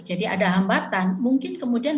jadi ada hambatan mungkin kemudian